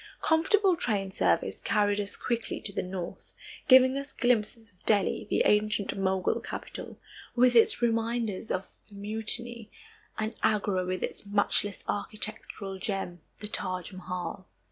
Comfortable train service carried us quickly to the north, giving us glimpses of Delhi, the ancient Mogul capital, with its reminders of the mutiny; and Agra with its matchless architectural gem, the Taj Mahal.